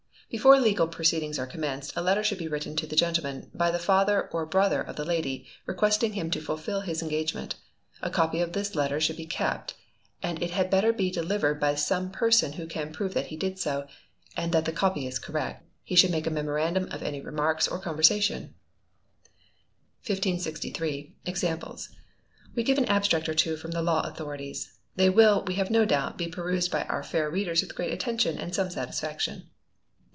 Before legal proceedings are commenced, a letter should be written to the gentleman, by the father or brother of the lady, requesting him to fulfil his engagement. A copy of this letter should be kept, and it had better be delivered by some person who can prove that he did so, and that the copy is correct: he should make a memorandum of any remarks or conversation. 1563. Examples. We give an abstract or two from the law authorities: they will, we have no doubt, be perused by our fair readers with great attention, and some satisfaction.